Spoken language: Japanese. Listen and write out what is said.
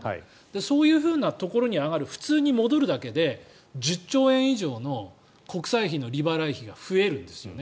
そういうふうなところに上がる普通に戻るだけで１０兆円以上の国債費の利払い費が増えるんですよね